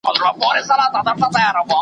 لکه نکل د ماشومي شپې په زړه کي .